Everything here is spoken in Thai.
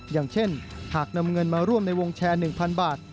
อย่างเช่นหากนำเงินมาร่วมในวงแชร์๑๐๐บาท